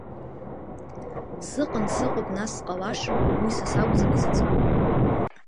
Сыҟан, сыҟоуп нас сҟалашам, Уи са сакәӡам изыӡбо.